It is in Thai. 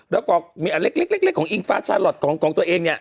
แล้วก็มีอันเล็กของอิงฟ้าชาลอทของตัวเองเนี่ย